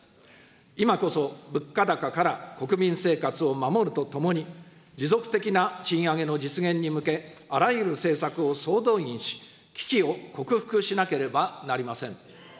今こそ物価高から国民生活を守るとともに、持続的な賃上げの実現に向け、あらゆる政策を総動員し、危機を克服しなければなりません。